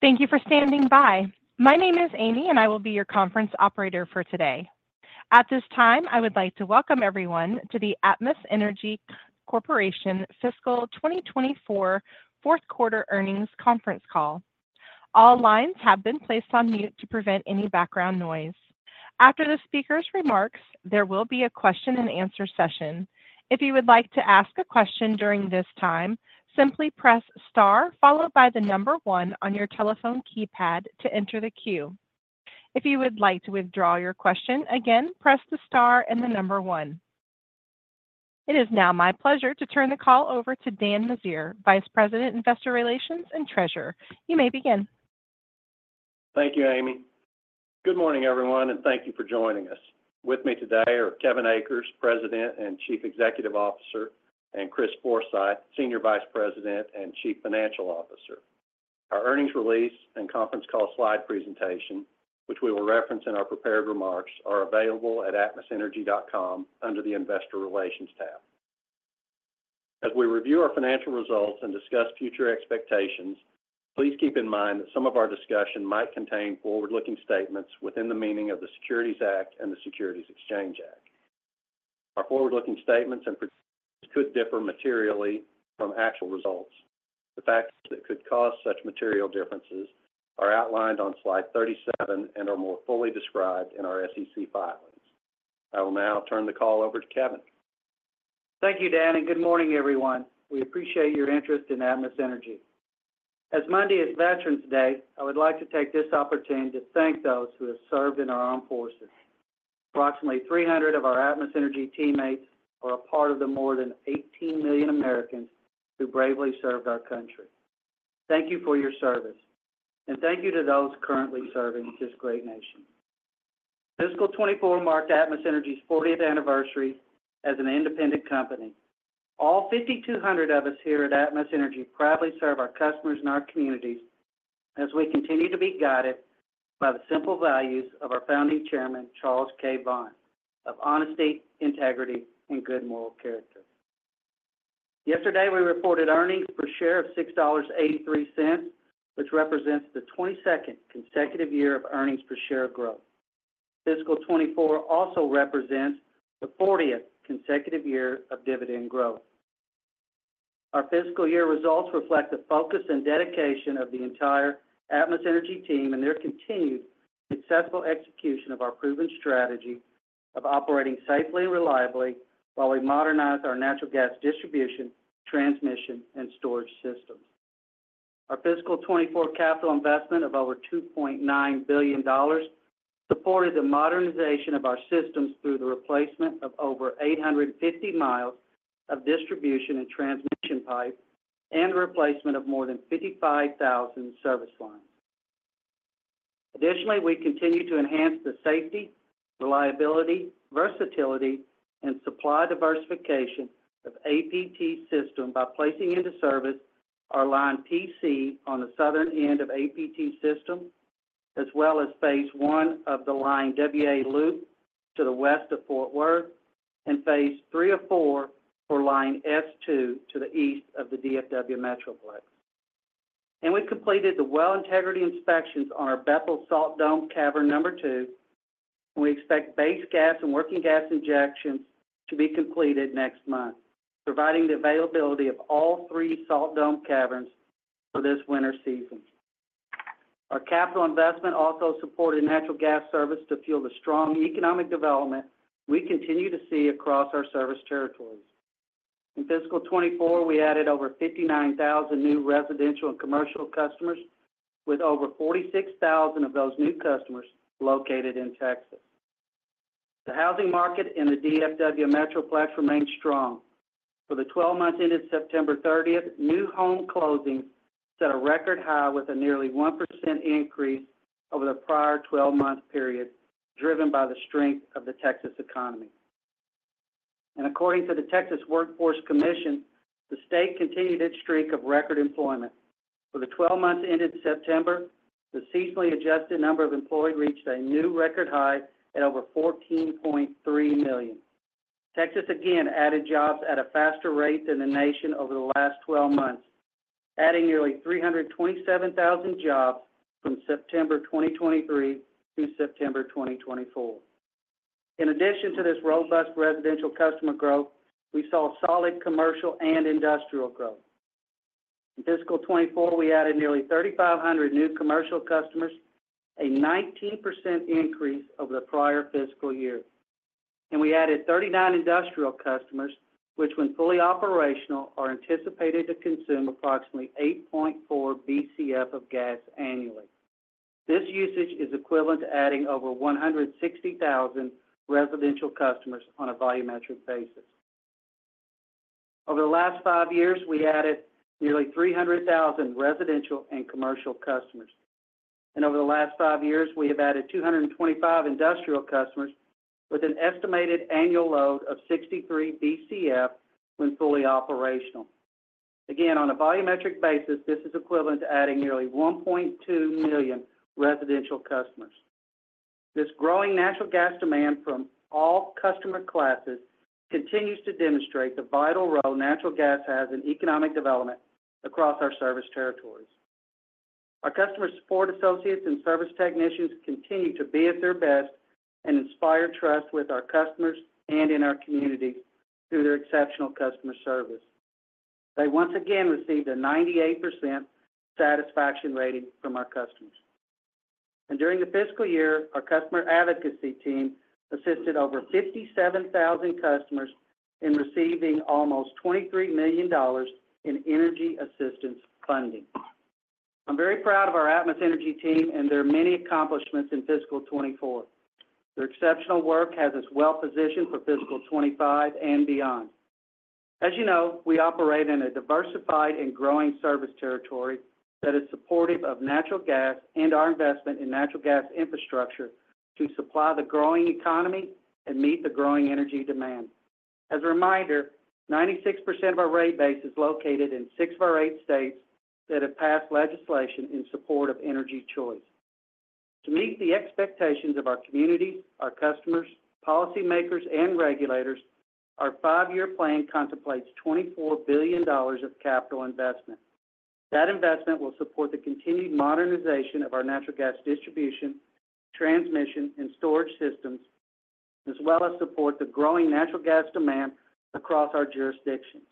Thank you for standing by. My name is Amy, and I will be your conference operator for today. At this time, I would like to welcome everyone to the Atmos Energy Corporation Fiscal 2024 Fourth Quarter Earnings Conference Call. All lines have been placed on mute to prevent any background noise. After the speaker's remarks, there will be a question-and-answer session. If you would like to ask a question during this time, simply press star followed by the number one on your telephone keypad to enter the queue. If you would like to withdraw your question again, press the star and the number one. It is now my pleasure to turn the call over to Dan Meziere, Vice President, Investor Relations and Treasurer. You may begin. Thank you, Amy. Good morning, everyone, and thank you for joining us. With me today are Kevin Akers, President and Chief Executive Officer, and Chris Forsythe, Senior Vice President and Chief Financial Officer. Our earnings release and conference call slide presentation, which we will reference in our prepared remarks, are available at atmosenergy.com under the Investor Relations tab. As we review our financial results and discuss future expectations, please keep in mind that some of our discussion might contain forward-looking statements within the meaning of the Securities Act and the Securities Exchange Act. Our forward-looking statements and provisions could differ materially from actual results. The factors that could cause such material differences are outlined on slide 37 and are more fully described in our SEC filings. I will now turn the call over to Kevin. Thank you, Dan, and good morning, everyone. We appreciate your interest in Atmos Energy. As Monday is Veterans Day, I would like to take this opportunity to thank those who have served in our armed forces. Approximately 300 of our Atmos Energy teammates are a part of the more than 18 million Americans who bravely served our country. Thank you for your service, and thank you to those currently serving this great nation. Fiscal 2024 marked Atmos Energy's 40th anniversary as an independent company. All 5,200 of us here at Atmos Energy proudly serve our customers and our communities as we continue to be guided by the simple values of our founding chairman, Charles K. Vaughan, of honesty, integrity, and good moral character. Yesterday, we reported earnings per share of $6.83, which represents the 22nd consecutive year of earnings per share growth. Fiscal 24 also represents the 40th consecutive year of dividend growth. Our fiscal year results reflect the focus and dedication of the entire Atmos Energy team and their continued successful execution of our proven strategy of operating safely and reliably while we modernize our natural gas distribution, transmission, and storage systems. Our fiscal 24 capital investment of over $2.9 billion supported the modernization of our systems through the replacement of over 850 miles of distribution and transmission pipe and the replacement of more than 55,000 service lines. Additionally, we continue to enhance the safety, reliability, versatility, and supply diversification of APT system by placing into service our Line PC on the southern end of APT system, as well as phase one of the Line W-A loop to the west of Fort Worth and phase three or four for Line S-2 to the east of the DFW Metroplex. And we completed the well integrity inspections on our Bethel Salt Dome Cavern number two, and we expect base gas and working gas injections to be completed next month, providing the availability of all three salt dome caverns for this winter season. Our capital investment also supported natural gas service to fuel the strong economic development we continue to see across our service territories. In fiscal 2024, we added over 59,000 new residential and commercial customers, with over 46,000 of those new customers located in Texas. The housing market in the DFW Metroplex remains strong. For the 12 months ended September 30th, new home closings set a record high with a nearly 1% increase over the prior 12 month period, driven by the strength of the Texas economy. And according to the Texas Workforce Commission, the state continued its streak of record employment. For the 12 months ended September, the seasonally adjusted number of employed reached a new record high at over 14.3 million. Texas again added jobs at a faster rate than the nation over the last 12 months, adding nearly 327,000 jobs from September 2023 to September 2024. In addition to this robust residential customer growth, we saw solid commercial and industrial growth. In fiscal 24, we added nearly 3,500 new commercial customers, a 19% increase over the prior fiscal year, and we added 39 industrial customers, which when fully operational are anticipated to consume approximately 8.4 Bcf of gas annually. This usage is equivalent to adding over 160,000 residential customers on a volumetric basis. Over the last five years, we added nearly 300,000 residential and commercial customers, and over the last five years, we have added 225 industrial customers with an estimated annual load of 63 Bcf when fully operational. Again, on a volumetric basis, this is equivalent to adding nearly 1.2 million residential customers. This growing natural gas demand from all customer classes continues to demonstrate the vital role natural gas has in economic development across our service territories. Our customer support associates and service technicians continue to be at their best and inspire trust with our customers and in our communities through their exceptional customer service. They once again received a 98% satisfaction rating from our customers, and during the fiscal year, our customer advocacy team assisted over 57,000 customers in receiving almost $23 million in energy assistance funding. I'm very proud of our Atmos Energy team and their many accomplishments in fiscal 2024. Their exceptional work has us well positioned for fiscal 2025 and beyond. As you know, we operate in a diversified and growing service territory that is supportive of natural gas and our investment in natural gas infrastructure to supply the growing economy and meet the growing energy demand. As a reminder, 96% of our rate base is located in six of our eight states that have passed legislation in support of energy choice. To meet the expectations of our communities, our customers, policymakers, and regulators, our five-year plan contemplates $24 billion of capital investment. That investment will support the continued modernization of our natural gas distribution, transmission, and storage systems, as well as support the growing natural gas demand across our jurisdictions,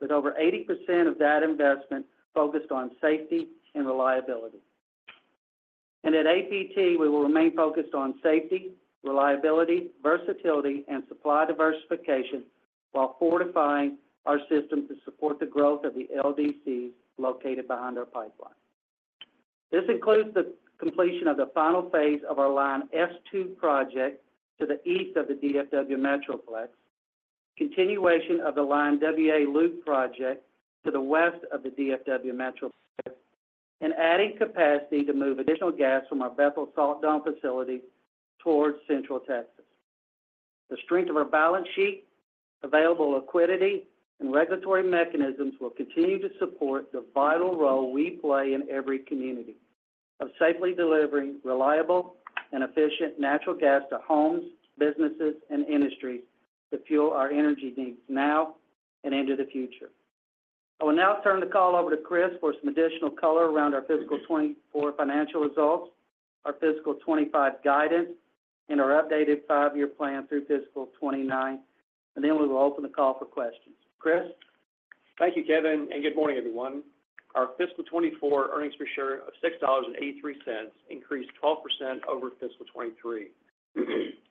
with over 80% of that investment focused on safety and reliability, and at APT, we will remain focused on safety, reliability, versatility, and supply diversification while fortifying our system to support the growth of the LDCs located behind our pipeline. This includes the completion of the final phase of our Line S-2 project to the east of the DFW Metroplex, continuation of the Line W-A loop project to the west of the DFW Metroplex, and adding capacity to move additional gas from our Bethel Salt Dome facility towards Central Texas. The strength of our balance sheet, available liquidity, and regulatory mechanisms will continue to support the vital role we play in every community of safely delivering reliable and efficient natural gas to homes, businesses, and industries to fuel our energy needs now and into the future. I will now turn the call over to Chris for some additional color around our fiscal 2024 financial results, our fiscal 2025 guidance, and our updated five-year plan through fiscal 2029, and then we will open the call for questions. Christopher. Thank you, Kevin, and good morning, everyone. Our fiscal 24 earnings per share of $6.83 increased 12% over fiscal 23.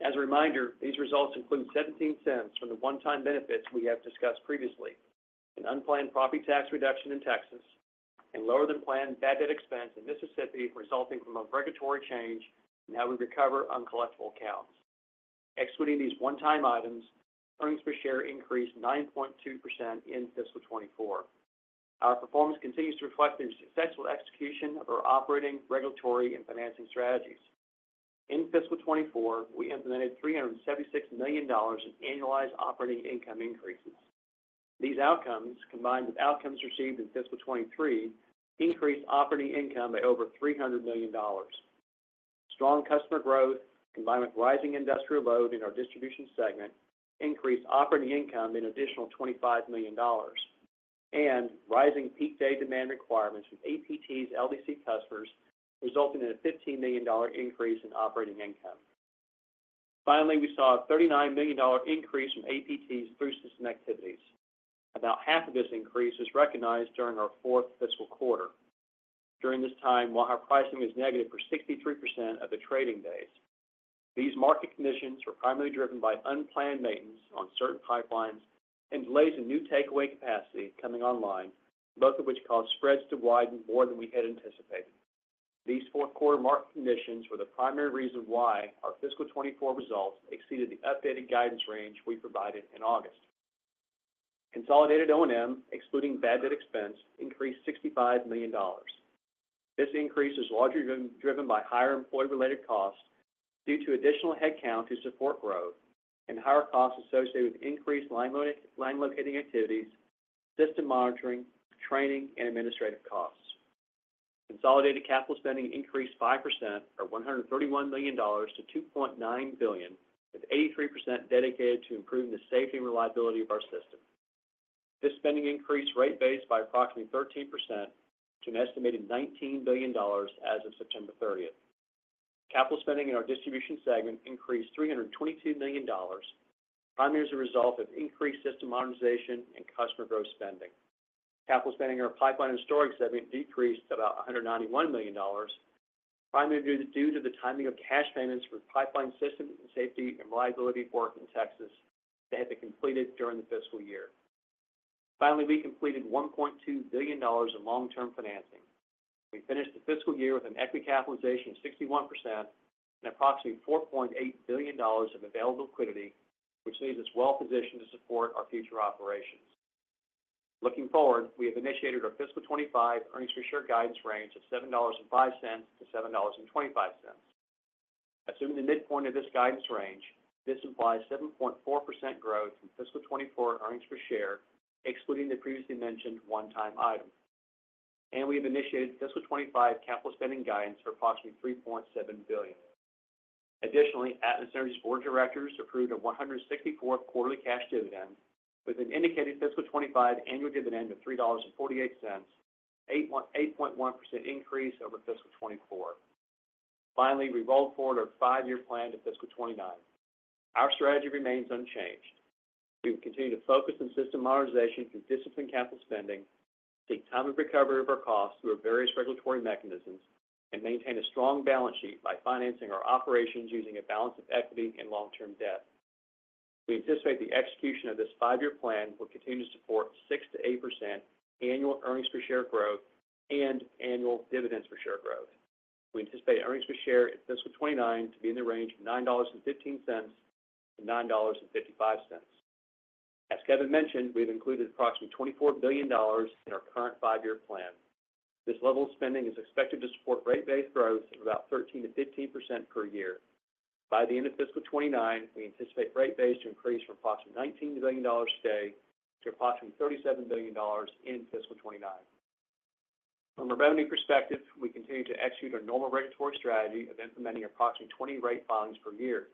As a reminder, these results include $0.17 from the one-time benefits we have discussed previously, an unplanned property tax reduction in Texas, and lower-than-planned bad debt expense in Mississippi resulting from a regulatory change in how we recover uncollectible accounts. Excluding these one-time items, earnings per share increased 9.2% in fiscal 24. Our performance continues to reflect the successful execution of our operating, regulatory, and financing strategies. In fiscal 24, we implemented $376 million in annualized operating income increases. These outcomes, combined with outcomes received in fiscal 23, increased operating income by over $300 million. Strong customer growth, combined with rising industrial load in our distribution segment, increased operating income by an additional $25 million, and rising peak day demand requirements from APT's LDC customers resulted in a $15 million increase in operating income. Finally, we saw a $39 million increase from APT's throughput system activities. About half of this increase was recognized during our fourth fiscal quarter. During this time, Waha pricing was negative for 63% of the trading days. These market conditions were primarily driven by unplanned maintenance on certain pipelines and delays in new takeaway capacity coming online, both of which caused spreads to widen more than we had anticipated. These fourth quarter market conditions were the primary reason why our fiscal 2024 results exceeded the updated guidance range we provided in August. Consolidated O&M, excluding bad debt expense, increased $65 million. This increase is largely driven by higher employee-related costs due to additional headcount to support growth and higher costs associated with increased line locating activities, system monitoring, training, and administrative costs. Consolidated capital spending increased 5%, or $131 million, to $2.9 billion, with 83% dedicated to improving the safety and reliability of our system. This spending increased rate base by approximately 13% to an estimated $19 billion as of September 30th. Capital spending in our distribution segment increased $322 million, primarily as a result of increased system modernization and customer growth spending. Capital spending in our pipeline and storage segment decreased to about $191 million, primarily due to the timing of cash payments for pipeline system safety and reliability work in Texas that had been completed during the fiscal year. Finally, we completed $1.2 billion in long-term financing. We finished the fiscal year with an equity capitalization of 61% and approximately $4.8 billion of available liquidity, which leaves us well positioned to support our future operations. Looking forward, we have initiated our fiscal 25 earnings per share guidance range of $7.05 to $7.25. Assuming the midpoint of this guidance range, this implies 7.4% growth in fiscal 24 earnings per share, excluding the previously mentioned one-time item. We have initiated fiscal 25 capital spending guidance for approximately $3.7 billion. Additionally, Atmos Energy's board of directors approved a 164th quarterly cash dividend with an indicated fiscal 25 annual dividend of $3.48, an 8.1% increase over fiscal 24. Finally, we rolled forward our five-year plan to fiscal 29. Our strategy remains unchanged. We will continue to focus on system modernization through disciplined capital spending, timely recovery of our costs through our various regulatory mechanisms, and maintain a strong balance sheet by financing our operations using a balance of equity and long-term debt. We anticipate the execution of this five-year plan will continue to support 6%-8% annual earnings per share growth and annual dividends per share growth. We anticipate earnings per share in fiscal 2029 to be in the range of $9.15-$9.55. As Kevin mentioned, we have included approximately $24 billion in our current five-year plan. This level of spending is expected to support rate base growth of about 13%-15% per year. By the end of fiscal 2029, we anticipate rate base to increase from approximately $19 billion today to approximately $37 billion in fiscal 2029. From a revenue perspective, we continue to execute our normal regulatory strategy of implementing approximately 20 rate filings per year.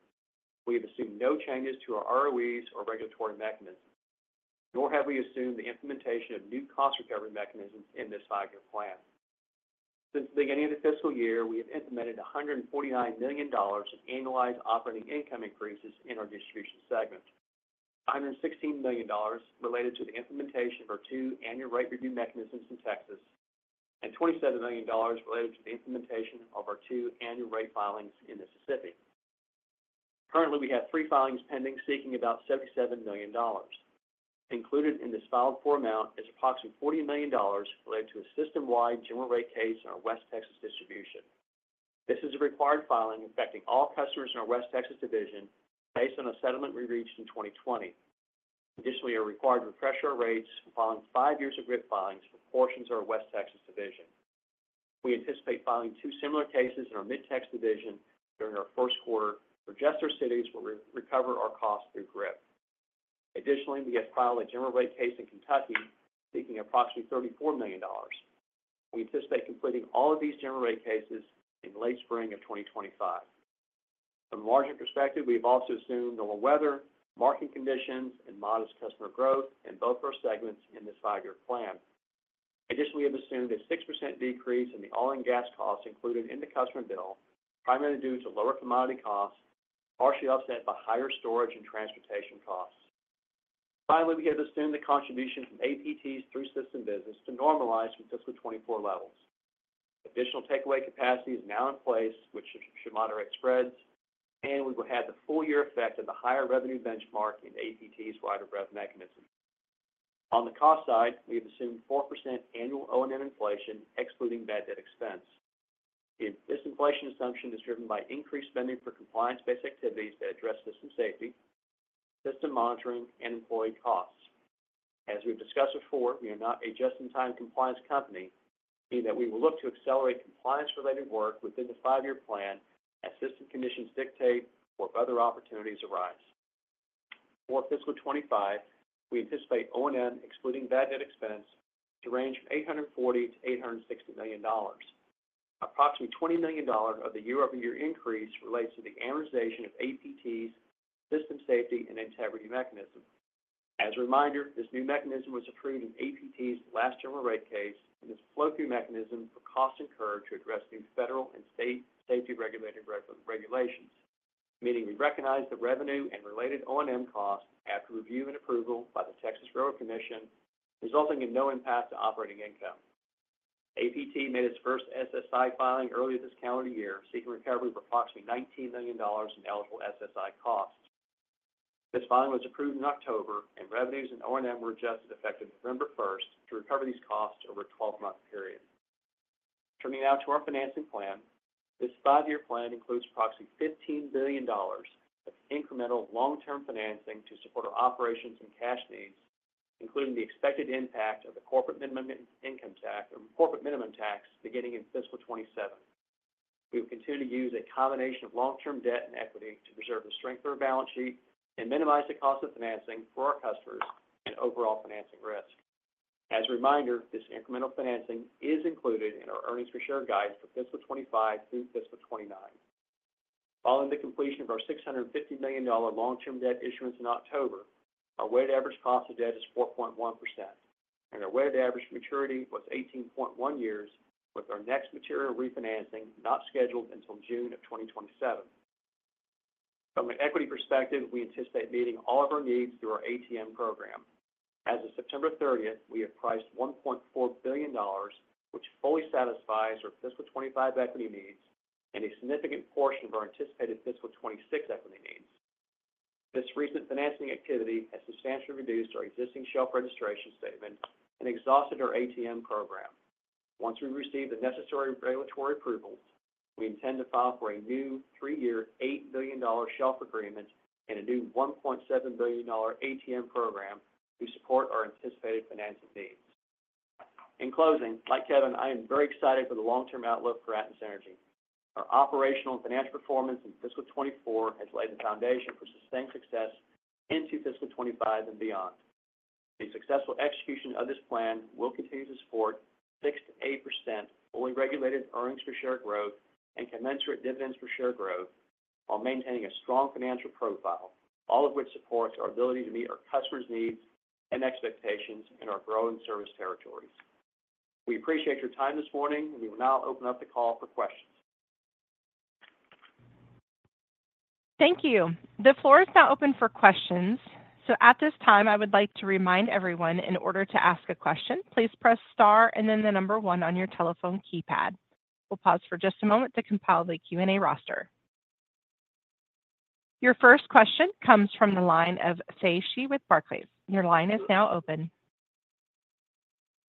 We have assumed no changes to our ROEs or regulatory mechanisms, nor have we assumed the implementation of new cost recovery mechanisms in this five-year plan. Since the beginning of the fiscal year, we have implemented $149 million in annualized operating income increases in our distribution segment, $116 million related to the implementation of our two annual rate review mechanisms in Texas, and $27 million related to the implementation of our two annual rate filings in Mississippi. Currently, we have three filings pending seeking about $77 million. Included in this filed-for amount is approximately $40 million related to a system-wide general rate case in our West Texas distribution. This is a required filing affecting all customers in our West Texas division based on a settlement we reached in 2020. Additionally, a required refresher rates following five years of GRIP filings for portions of our West Texas division. We anticipate filing two similar cases in our Mid-Tex division during our first quarter for Jester cities where we recover our costs through GRIP. Additionally, we have filed a general rate case in Kentucky seeking approximately $34 million. We anticipate completing all of these general rate cases in late spring of 2025. From a margin perspective, we have also assumed lower weather, market conditions, and modest customer growth in both of our segments in this five-year plan. Additionally, we have assumed a 6% decrease in the oil and gas costs included in the customer bill, primarily due to lower commodity costs, partially offset by higher storage and transportation costs. Finally, we have assumed the contribution from APT's throughput system business to normalize from fiscal 24 levels. Additional takeaway capacity is now in place, which should moderate spreads, and we will have the full year effect of the higher revenue benchmark in APT's weather band mechanism. On the cost side, we have assumed 4% annual O&M inflation excluding bad debt expense. This inflation assumption is driven by increased spending for compliance-based activities that address system safety, system monitoring, and employee costs. As we've discussed before, we are not a just-in-time compliance company, meaning that we will look to accelerate compliance-related work within the five-year plan as system conditions dictate or if other opportunities arise. For fiscal 2025, we anticipate O&M excluding bad debt expense to range from $840-$860 million. Approximately $20 million of the year-over-year increase relates to the amortization of APT's system safety and integrity mechanism. As a reminder, this new mechanism was approved in APT's last general rate case and is a flow-through mechanism for cost incurred to address new federal and state safety-regulated regulations, meaning we recognize the revenue and related O&M costs after review and approval by the Texas Railroad Commission, resulting in no impact to operating income. APT made its first SSI filing earlier this calendar year, seeking recovery of approximately $19 million in eligible SSI costs. This filing was approved in October, and revenues and O&M were adjusted effective November 1st to recover these costs over a 12-month period. Turning now to our financing plan, this five-year plan includes approximately $15 billion of incremental long-term financing to support our operations and cash needs, including the expected impact of the corporate minimum income tax beginning in fiscal 2027. We will continue to use a combination of long-term debt and equity to preserve the strength of our balance sheet and minimize the cost of financing for our customers and overall financing risk. As a reminder, this incremental financing is included in our earnings per share guidance for fiscal 2025 through fiscal 2029. Following the completion of our $650 million long-term debt issuance in October, our weighted average cost of debt is 4.1%, and our weighted average maturity was 18.1 years, with our next material refinancing not scheduled until June of 2027. From an equity perspective, we anticipate meeting all of our needs through our ATM program. As of September 30th, we have priced $1.4 billion, which fully satisfies our fiscal 2025 equity needs and a significant portion of our anticipated fiscal 2026 equity needs. This recent financing activity has substantially reduced our existing shelf registration statement and exhausted our ATM program. Once we receive the necessary regulatory approvals, we intend to file for a new three-year $8 billion shelf agreement and a new $1.7 billion ATM program to support our anticipated financing needs. In closing, like Kevin, I am very excited for the long-term outlook for Atmos Energy. Our operational and financial performance in fiscal 2024 has laid the foundation for sustained success into fiscal 2025 and beyond. The successful execution of this plan will continue to support 6%-8% fully regulated earnings per share growth and commensurate dividends per share growth while maintaining a strong financial profile, all of which supports our ability to meet our customers' needs and expectations in our growing service territories. We appreciate your time this morning, and we will now open up the call for questions. Thank you. The floor is now open for questions. So at this time, I would like to remind everyone, in order to ask a question, please press star and then the number one on your telephone keypad. We'll pause for just a moment to compile the Q&A roster. Your first question comes from the line of Faisal Khan with Barclays. Your line is now open.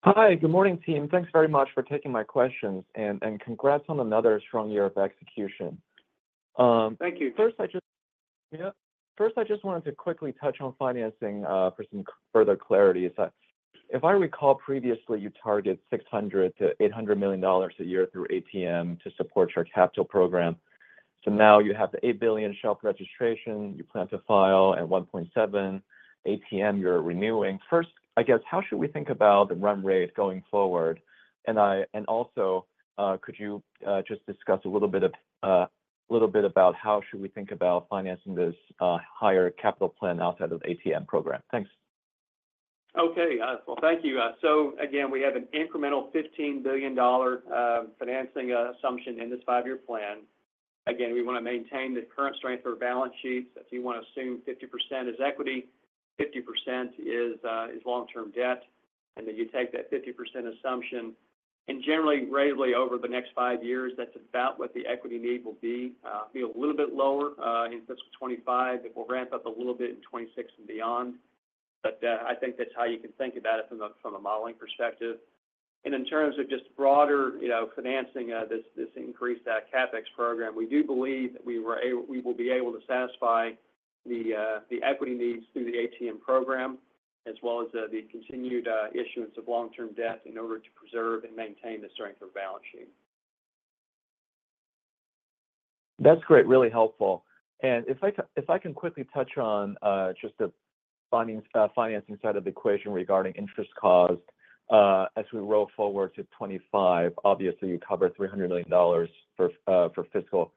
Hi, good morning, team. Thanks very much for taking my questions, and congrats on another strong year of execution. Thank you. First, I just wanted to quickly touch on financing for some further clarity. If I recall, previously, you targeted $600-$800 million a year through ATM to support your capital program. So now you have the $8 billion shelf registration you plan to file and $1.7 billion ATM, you're renewing. First, I guess, how should we think about the run rate going forward? And also, could you just discuss a little bit about how should we think about financing this higher capital plan outside of the ATM program? Thanks. Okay. Well, thank you. So again, we have an incremental $15 billion financing assumption in this five-year plan. Again, we want to maintain the current strength of our balance sheets. If you want to assume 50% as equity, 50% is long-term debt, and then you take that 50% assumption. And generally, regularly, over the next five years, that's about what the equity need will be. It'll be a little bit lower in fiscal 2025 if we ramp up a little bit in 2026 and beyond. But I think that's how you can think about it from a modeling perspective. And in terms of just broader financing, this increased CapEx program, we do believe that we will be able to satisfy the equity needs through the ATM program, as well as the continued issuance of long-term debt in order to preserve and maintain the strength of our balance sheet. That's great. Really helpful. And if I can quickly touch on just the financing side of the equation regarding interest costs as we roll forward to 2025, obviously, you cover $300 million for fiscal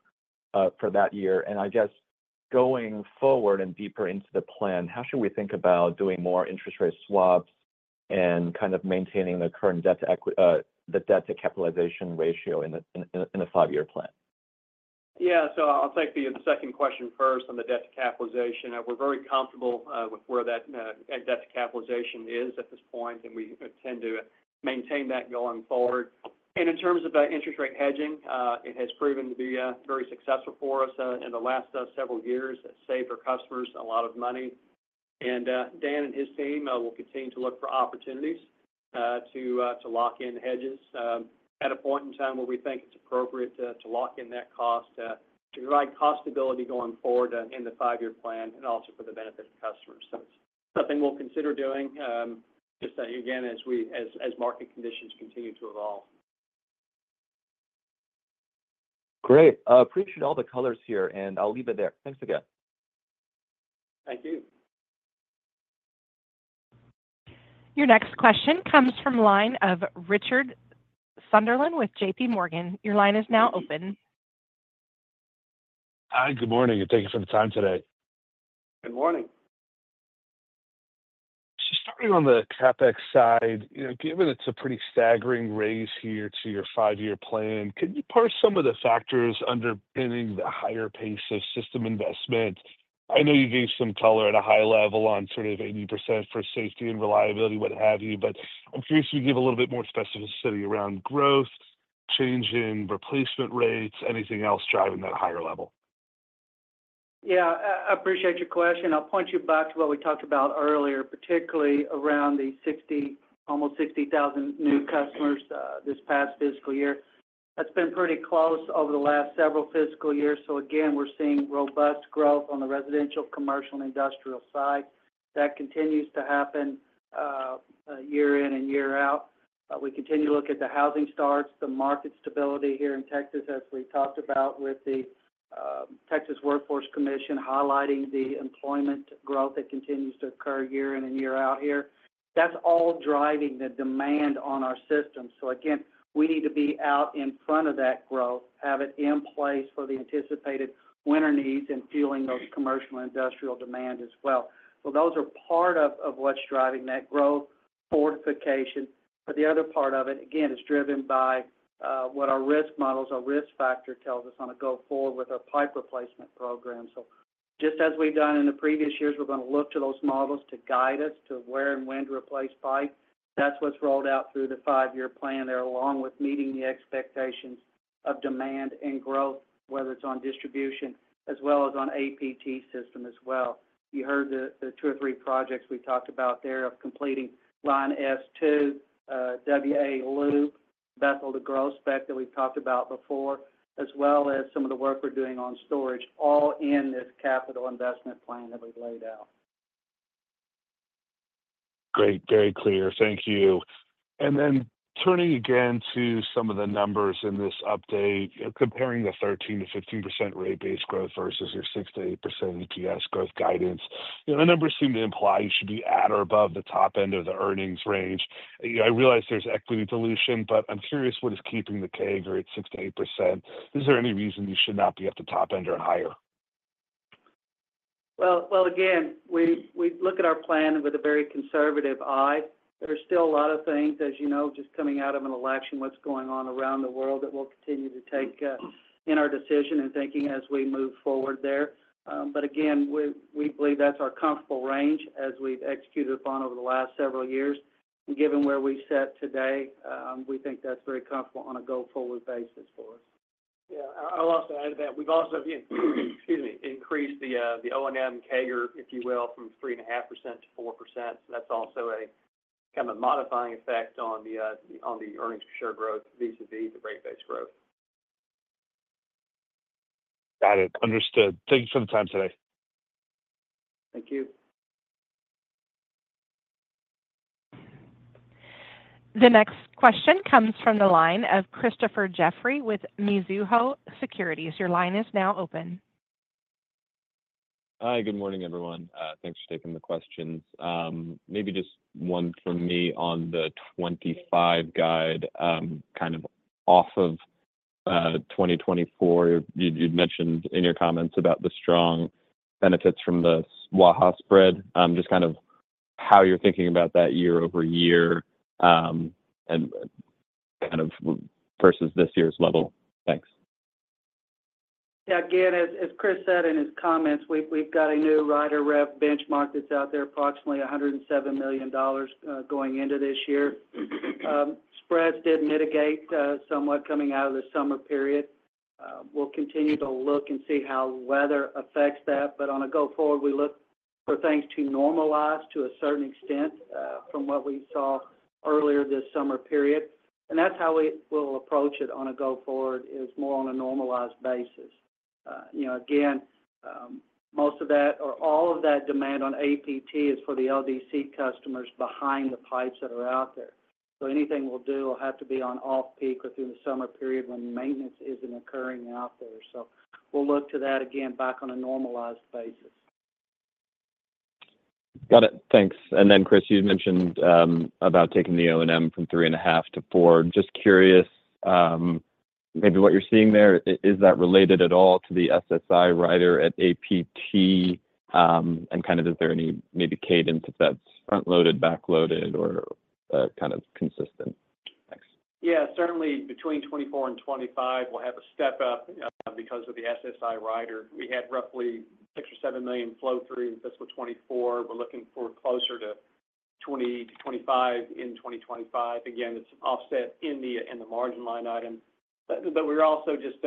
for that year. And I guess, going forward and deeper into the plan, how should we think about doing more interest rate swaps and kind of maintaining the current debt-to-capitalization ratio in a five-year plan? Yeah. So I'll take the second question first on the debt-to-capitalization. We're very comfortable with where that debt-to-capitalization is at this point, and we intend to maintain that going forward. And in terms of interest rate hedging, it has proven to be very successful for us in the last several years. It's saved our customers a lot of money. And Dan and his team will continue to look for opportunities to lock in hedges at a point in time where we think it's appropriate to lock in that cost to provide cost stability going forward in the five-year plan and also for the benefit of customers. So it's something we'll consider doing, just again, as market conditions continue to evolve. Great. Appreciate all the colors here, and I'll leave it there. Thanks again. Thank you. Your next question comes from the line of Richard Sunderland with J.P. Morgan. Your line is now open. Hi. Good morning, and thank you for the time today. Good morning. So starting on the CapEx side, given it's a pretty staggering raise here to your five-year plan, can you parse some of the factors underpinning the higher pace of system investment? I know you gave some color at a high level on sort of 80% for safety and reliability, what have you, but I'm curious if you could give a little bit more specificity around growth, change in replacement rates, anything else driving that higher level. Yeah. I appreciate your question. I'll point you back to what we talked about earlier, particularly around the almost 60,000 new customers this past fiscal year. That's been pretty close over the last several fiscal years. So again, we're seeing robust growth on the residential, commercial, and industrial side. That continues to happen year in and year out. We continue to look at the housing starts, the market stability here in Texas, as we talked about with the Texas Workforce Commission highlighting the employment growth that continues to occur year in and year out here. That's all driving the demand on our system. So again, we need to be out in front of that growth, have it in place for the anticipated winter needs, and fueling those commercial and industrial demand as well. So those are part of what's driving that growth fortification. But the other part of it, again, is driven by what our risk models, our risk factor tells us on a go-forward with our pipe replacement program. So just as we've done in the previous years, we're going to look to those models to guide us to where and when to replace pipe. That's what's rolled out through the five-year plan there, along with meeting the expectations of demand and growth, whether it's on distribution as well as on APT system as well. You heard the two or three projects we talked about there of completing Line S-2, Line W-A loop, Bethel to Groesbeck that we've talked about before, as well as some of the work we're doing on storage, all in this capital investment plan that we've laid out. Great. Very clear. Thank you. And then turning again to some of the numbers in this update, comparing the 13%-15% rate-based growth versus your 6%-8% EPS growth guidance, the numbers seem to imply you should be at or above the top end of the earnings range. I realize there's equity dilution, but I'm curious what is keeping the CAGR at 6%-8%. Is there any reason you should not be at the top end or higher? Again, we look at our plan with a very conservative eye. There are still a lot of things, as you know, just coming out of an election, what's going on around the world that we'll continue to take into our decision and thinking as we move forward there. But again, we believe that's our comfortable range as we've executed upon over the last several years. And given where we sit today, we think that's very comfortable on a go-forward basis for us. Yeah. I'll also add to that. We've also, excuse me, increased the O&M cap aggregate, if you will, from 3.5%-4%. So that's also a kind of modifying effect on the earnings per share growth vis-à-vis the rate base growth. Got it. Understood. Thank you for the time today. Thank you. The next question comes from the line of Christopher Jeffrey with Mizuho Securities. Your line is now open. Hi. Good morning, everyone. Thanks for taking the questions. Maybe just one from me on the 2025 guide, kind of off of 2024. You'd mentioned in your comments about the strong benefits from the Waha spread, just kind of how you're thinking about that year over year and kind of versus this year's level. Thanks. Yeah. Again, as Christopher said in his comments, we've got a new rider rev benchmark that's out there, approximately $107 million going into this year. Spreads did mitigate somewhat coming out of the summer period. We'll continue to look and see how weather affects that. But on a go-forward, we look for things to normalize to a certain extent from what we saw earlier this summer period. And that's how we will approach it on a go-forward, is more on a normalized basis. Again, most of that or all of that demand on APT is for the LDC customers behind the pipes that are out there. So anything we'll do will have to be on off-peak or through the summer period when maintenance isn't occurring out there. So we'll look to that again back on a normalized basis. Got it. Thanks. And then, Chris, you mentioned about taking the O&M from 3.5 to 4. Just curious, maybe what you're seeing there, is that related at all to the SSI rider at APT? And kind of is there any maybe cadence if that's front-loaded, back-loaded, or kind of consistent? Thanks. Yeah. Certainly, between 2024 and 2025, we'll have a step-up because of the SSI rider. We had roughly $6-$7 million flow-through in fiscal 2024. We're looking for closer to $20-$25 million in 2025. Again, it's offset in the margin line item. But we're also just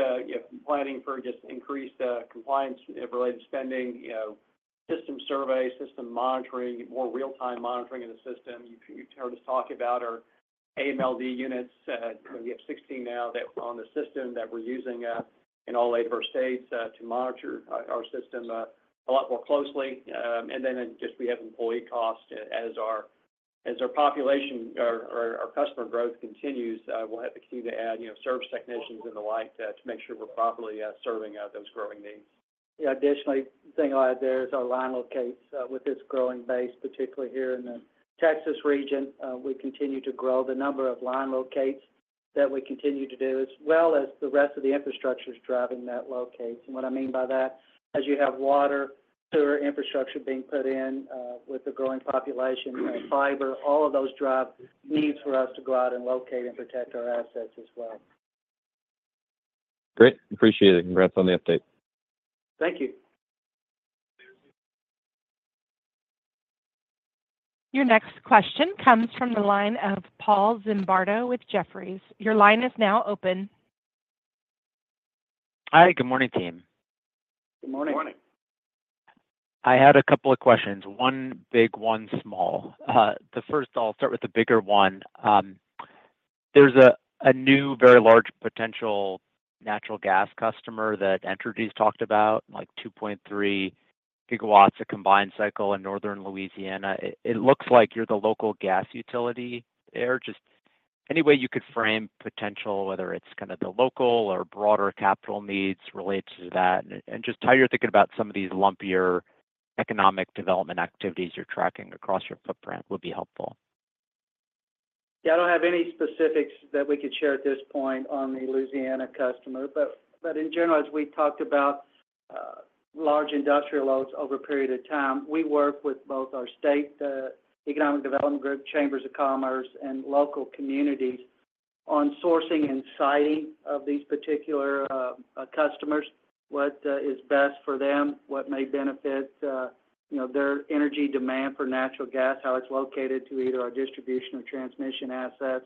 planning for just increased compliance-related spending, system survey, system monitoring, more real-time monitoring of the system. You've heard us talk about our AMLD units. We have 16 now on the system that we're using in all eight of our states to monitor our system a lot more closely. And then just we have employee costs. As our population or our customer growth continues, we'll have to continue to add service technicians and the like to make sure we're properly serving those growing needs. Yeah. Additionally, the thing I'll add there is our line locates with this growing base, particularly here in the Texas region. We continue to grow the number of line locates that we continue to do, as well as the rest of the infrastructure is driving that locates. And what I mean by that, as you have water, too, our infrastructure being put in with the growing population and fiber, all of those drive needs for us to go out and locate and protect our assets as well. Great. Appreciate it. Congrats on the update. Thank you. Your next question comes from the line of Paul Zimbardo with Jefferies. Your line is now open. Hi. Good morning, team. Good morning. Good morning. I had a couple of questions, one big, one small. The first, I'll start with the bigger one. There's a new very large potential natural gas customer that Entergy's talked about, like 2.3 gigawatts of combined cycle in northern Louisiana. It looks like you're the local gas utility there. Just any way you could frame potential, whether it's kind of the local or broader capital needs related to that, and just how you're thinking about some of these lumpier economic development activities you're tracking across your footprint would be helpful. Yeah. I don't have any specifics that we could share at this point on the Louisiana customer. But in general, as we talked about large industrial loads over a period of time, we work with both our state economic development group, chambers of commerce, and local communities on sourcing and siting of these particular customers, what is best for them, what may benefit their energy demand for natural gas, how it's located to either our distribution or transmission assets.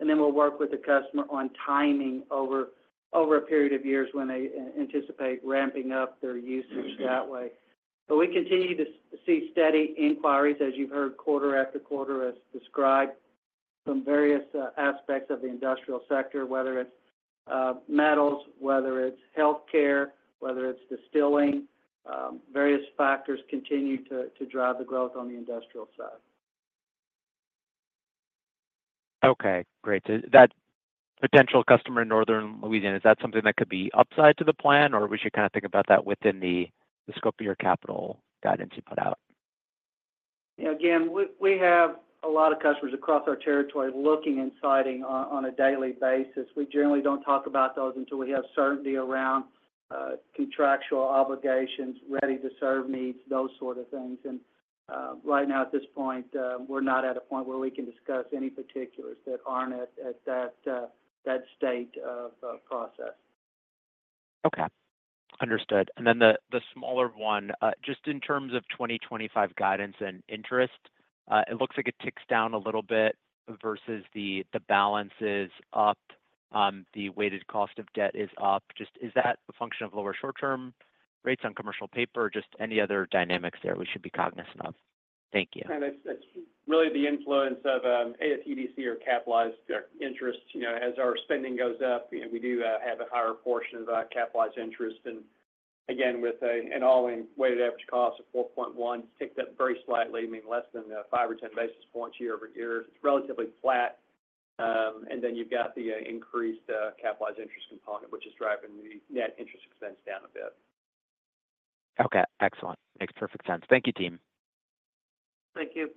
And then we'll work with the customer on timing over a period of years when they anticipate ramping up their usage that way. But we continue to see steady inquiries, as you've heard, quarter after quarter, as described from various aspects of the industrial sector, whether it's metals, whether it's healthcare, whether it's distilling. Various factors continue to drive the growth on the industrial side. Okay. Great. That potential customer in northern Louisiana, is that something that could be upside to the plan, or we should kind of think about that within the scope of your capital guidance you put out? Yeah. Again, we have a lot of customers across our territory looking and siting on a daily basis. We generally don't talk about those until we have certainty around contractual obligations, ready-to-serve needs, those sort of things, and right now, at this point, we're not at a point where we can discuss any particulars that aren't at that state of process. Okay. Understood. And then the smaller one, just in terms of 2025 guidance and interest, it looks like it ticks down a little bit versus the balance is up, the weighted cost of debt is up. Just, is that a function of lower short-term rates on commercial paper or just any other dynamics there we should be cognizant of? Thank you. And it's really the influence of AFEDC or capitalized interest. As our spending goes up, we do have a higher portion of capitalized interest. And again, with an all-in weighted average cost of 4.1, it's ticked up very slightly, meaning less than 5 or 10 basis points year over year. It's relatively flat. And then you've got the increased capitalized interest component, which is driving the net interest expense down a bit. Okay. Excellent. Makes perfect sense. Thank you, team. Thank you.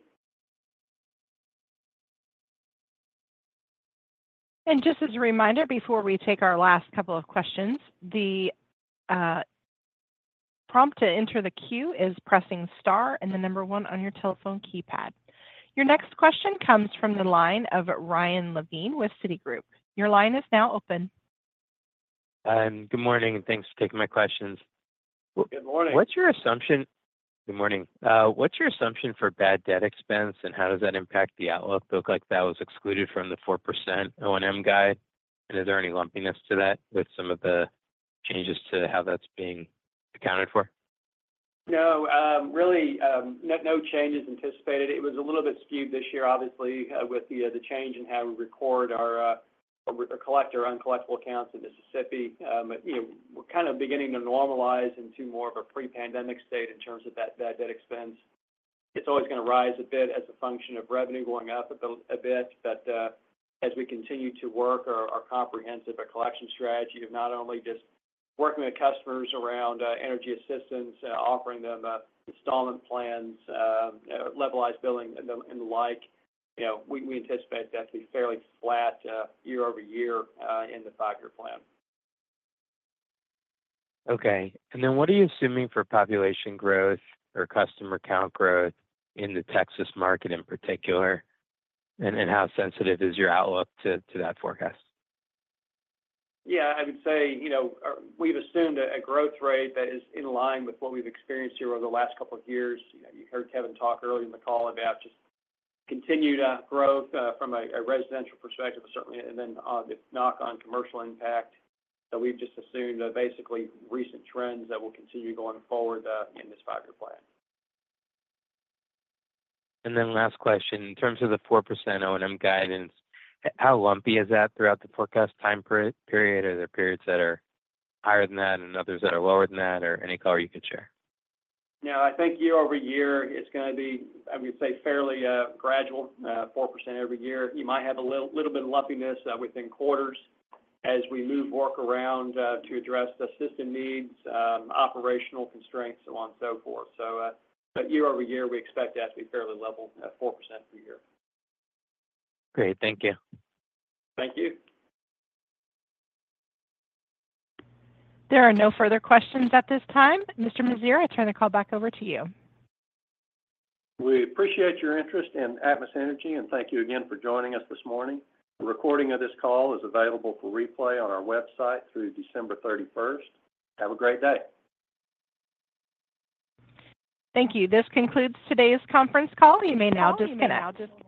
Just as a reminder, before we take our last couple of questions, the prompt to enter the queue is pressing star and the number one on your telephone keypad. Your next question comes from the line of Ryan Levine with Citigroup. Your line is now open. Good morning, and thanks for taking my questions. Good morning. What's your assumption? Good morning. What's your assumption for bad debt expense, and how does that impact the outlook? It looked like that was excluded from the 4% O&M guide. And is there any lumpiness to that with some of the changes to how that's being accounted for? No. Really, no changes anticipated. It was a little bit skewed this year, obviously, with the change in how we record or collect our uncollectible accounts in Mississippi. But we're kind of beginning to normalize into more of a pre-pandemic state in terms of that bad debt expense. It's always going to rise a bit as a function of revenue going up a bit. But as we continue to work our comprehensive collection strategy of not only just working with customers around energy assistance, offering them installment plans, levelized billing, and the like, we anticipate that to be fairly flat year over year in the five-year plan. Okay. And then what are you assuming for population growth or customer count growth in the Texas market in particular? And how sensitive is your outlook to that forecast? Yeah. I would say we've assumed a growth rate that is in line with what we've experienced here over the last couple of years. You heard Kevin talk earlier in the call about just continued growth from a residential perspective, certainly, and then the knock-on commercial impact that we've just assumed are basically recent trends that will continue going forward in this five-year plan. And then, last question. In terms of the 4% O&M guidance, how lumpy is that throughout the forecast time period? Are there periods that are higher than that and others that are lower than that? Or any color you could share? Yeah. I think year over year, it's going to be, I would say, fairly gradual, four% every year. You might have a little bit of lumpiness within quarters as we move work around to address the system needs, operational constraints, and so on and so forth. But year over year, we expect that to be fairly level, four% per year. Great. Thank you. Thank you. There are no further questions at this time. Mr. Meziere, I turn the call back over to you. We appreciate your interest in Atmos Energy, and thank you again for joining us this morning. The recording of this call is available for replay on our website through December 31st. Have a great day. Thank you. This concludes today's conference call. You may now disconnect.